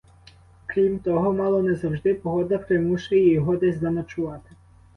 Крім того, мало не завжди погода примушує його десь заночувати.